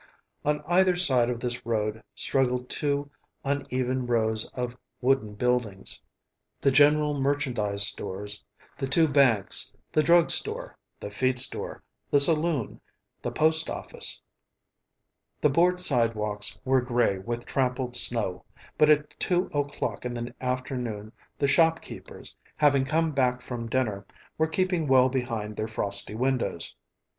On either side of this road straggled two uneven rows of wooden buildings; the general merchandise stores, the two banks, the drug store, the feed store, the saloon, the post office. The board sidewalks were gray with trampled snow, but at two o'clock in the afternoon the shopkeepers, having come back from dinner, were keeping well behind their frosty windows.